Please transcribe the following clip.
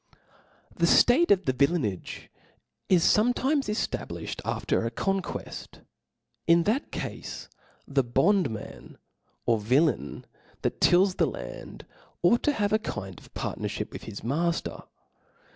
nr^ HE ftate of villainage is forfletimes eftablifli ^ cd after a conqueft. In that cafe, the bond man or villain that tilis the land, ought to have a kind of partnerlhip with his matter.